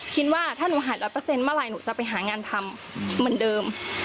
คิดว่าถ้าหนูหาย๑๐๐เมื่อไหร่หนูจะไปหางานทำเหมือนเดิม